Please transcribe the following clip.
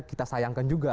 kita sayangkan juga